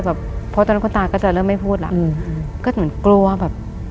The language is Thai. เพราะตอนนั้นคุณตาก็จะเริ่มไม่พูดแล้วก็เหมือนกลัวแบบ